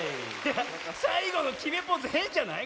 さいごのきめポーズへんじゃない？